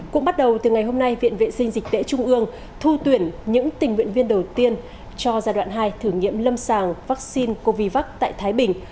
cũng bắt đầu từ ngày hôm nay viện vệ sinh dịch tễ trung ương thu tuyển những tình nguyện viên đầu tiên cho giai đoạn hai thử nghiệm lâm sàng vaccine covid tại thái bình